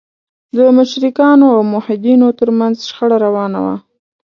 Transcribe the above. د مشرکانو او موحدینو تر منځ شخړه روانه وه.